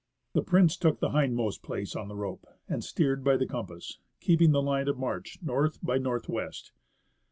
The Prince took the hindmost place on the rope and steered by the compass, keeping the line of march north by north west.